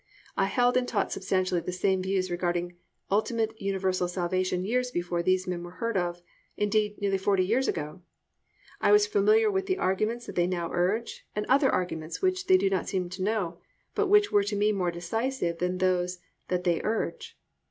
I held and taught substantially the same views regarding ultimate universal salvation years before these men were heard of, indeed nearly forty years ago. I was familiar with the arguments that they now urge, and other arguments which they do not seem to know, but which were to me more decisive than those that they urge.